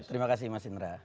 terima kasih mas indra